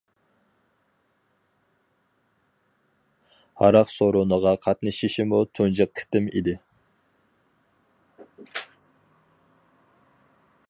ھاراق سورۇنىغا قاتنىشىشىمۇ تۇنجى قېتىم ئىدى.